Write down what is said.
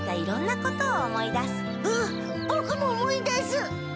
うんボクも思い出す。